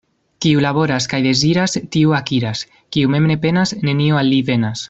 Kiu laboras kaj deziras, tiu akiras — kiu mem ne penas, nenio al li venas.